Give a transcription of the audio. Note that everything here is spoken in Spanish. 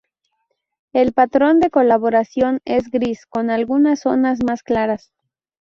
El patrón de coloración es gris con algunas zonas más claras.